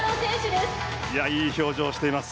いい表情をしています。